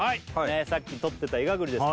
さっきとってたイガグリです